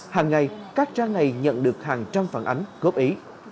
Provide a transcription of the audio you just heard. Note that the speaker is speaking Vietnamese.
hàng ngày các trang này nhận được hàng trăm phản ánh góp ý